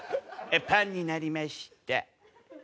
パンになりました。